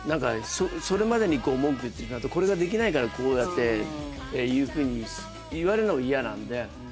それまでに文句言ってしまうとこれができないからこうやってっていうふうに言われるのが嫌なんで。